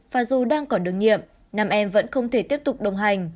và dù đang còn đường nhiệm nam em vẫn không thể tiếp tục đồng hành